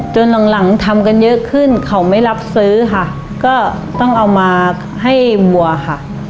หลังหลังทำกันเยอะขึ้นเขาไม่รับซื้อค่ะก็ต้องเอามาให้บัวค่ะ